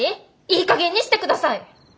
いいかげんにしてください！